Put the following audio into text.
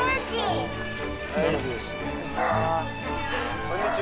こんにちは。